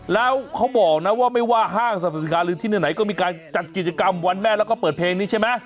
แล้วเขาบอกนะว่าไม่ว่าห้างสรรพสินค้าหรือที่ไหนก็มีการจัดกิจกรรมวันแม่แล้วก็เปิดเพลงนี้ใช่ไหม